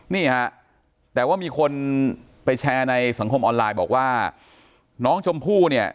นี่ฮะแต่ว่ามีคนไปแชร์ในสังคมออนไลน์บอกว่าน้องชมพู่เนี่ย